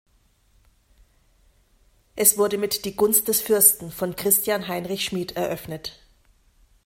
Es wurde mit "Die Gunst des Fürsten" von Christian Heinrich Schmid eröffnet.